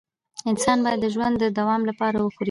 انسان باید د ژوند د دوام لپاره وخوري